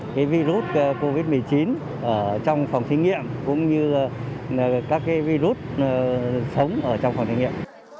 với virus covid một mươi chín trong phòng thí nghiệm cũng như các virus sống trong phòng thí nghiệm